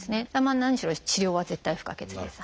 何しろ治療は絶対不可欠です。